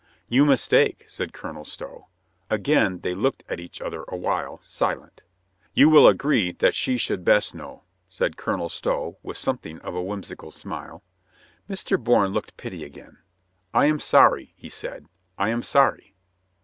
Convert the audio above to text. "You mistake," said Colonel Stow. Again they looked at each other a while, silent. "You will agree that she should best know?" said Colonel Stow, with something of a whimsical smile. Mr. Bourne looked pity again. "I am sorry," he said. "I am sorry."